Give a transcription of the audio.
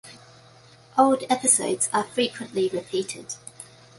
Old episodes are frequently repeated.